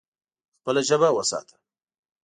خپله ژبه وساته.